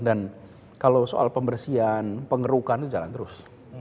dan kalau soal pembersihan pengerukan itu jalan terus